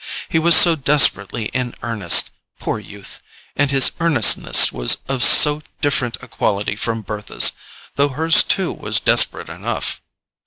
He was so desperately in earnest, poor youth, and his earnestness was of so different a quality from Bertha's, though hers too was desperate enough.